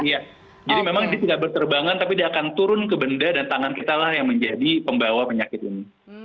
iya jadi memang dia tidak berterbangan tapi dia akan turun ke benda dan tangan kita lah yang menjadi pembawa penyakit ini